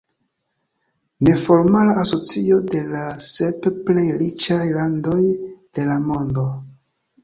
Neformala asocio de la sep plej riĉaj landoj de la mondo.